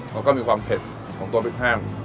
มันก็มีความเผ็ดของตัวพริกแห้ง